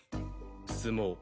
相撲。